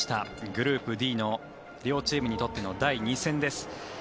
グループＤの両チームにとっての第２戦です。